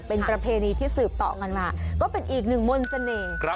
เป็นประเพณีที่สืบต่อกันมาก็เป็นอีกหนึ่งมนต์เสน่ห์